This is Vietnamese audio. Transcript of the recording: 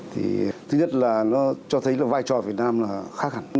thì thứ nhất là nó cho thấy là vai trò việt nam là khác hẳn